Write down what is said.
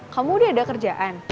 kamu udah ada kerjaan